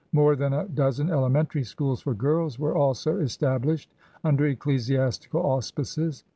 More than a dozen elementary schools for girls were also established under ecclesiastical auspices.